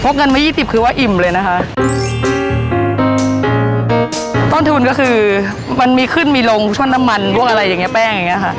คือมันมีขึ้นมีลงช่วงร่ำมันบวกอะไรอย่างแป้งอีก